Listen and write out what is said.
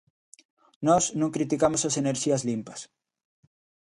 Nós non criticamos as enerxías limpas.